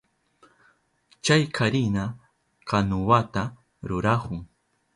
Chay karika kanuwata rurahun.